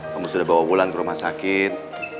kamu sudah bawa pulang ke rumah sakit